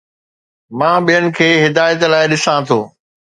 مان ٻين کي هدايت لاء ڏسان ٿو